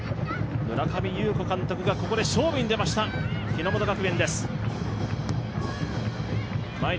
村上裕子監督がここで勝負に出ました、日ノ本学園です。